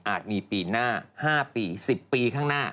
มีปีหน้า๕ปี๑๐ปีข้างหน้า